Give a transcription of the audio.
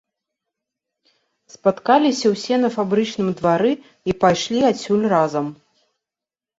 Спаткаліся ўсе на фабрычным двары і пайшлі адсюль разам.